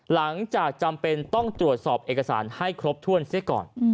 หลังจากจำเป็นต้องตรวจสอบเอกสารให้ครบถ้วนเสียก่อน